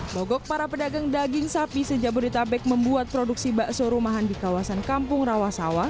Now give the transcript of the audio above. bogok para pedagang daging sapi sejak berita baik membuat produksi bakso rumahan di kawasan kampung rawasawa